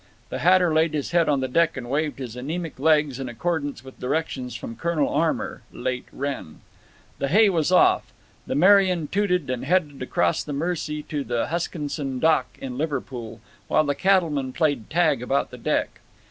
The hatter laid his head on the deck and waved his anemic legs in accordance with directions from Colonel Armour (late Wrenn). The hay was off. The Merian tooted and headed across the Mersey to the Huskinson Dock, in Liverpool, while the cattlemen played tag about the deck.